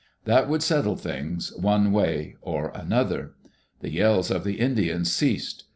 That would settle things, one way or another. The yells of the Indians ceased.